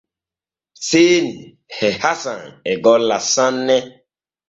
Seeni e Hasan e golla sanne.